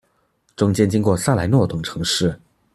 中间经过萨莱诺等城市。